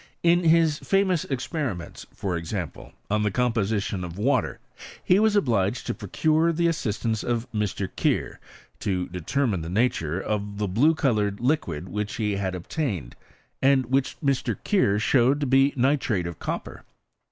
In his famous experiments, for example, on the composition of vater, he was obliged to procure the assistance of Mr. Keir to determine the nature of the blue co* loured liquid which he had obtained, and which Mr. Keir showed to be nitrate of copper.